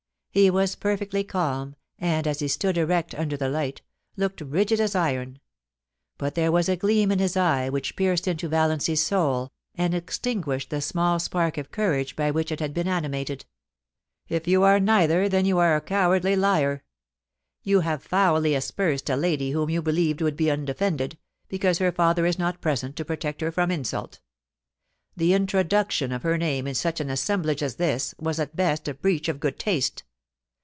He was perfectly calm, and, as he stood erect under the light, looked rigid as iron ; but there was a gleam in his eye which pierced into Valiancy's soul, and extinguished the small spark of courage by which it had been animated. * If you are neither, then you are a cowardly liar ! You have foully aspersed a lady whom you believed would be undefended, because her father is not present to protect her from insult The intro duction of her name into such an assemblage as this, was at best a breach of good taste.